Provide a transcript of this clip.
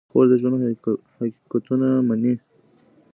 خور د ژوند حقیقتونه مني.